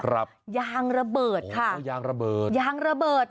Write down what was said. ยางระเบิดค่ะยางระเบิด